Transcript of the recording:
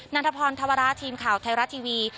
ันทพรธวราทีมข่าวไทยรัฐทีวี